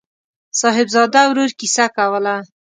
صاحبزاده ورور کیسه کوله.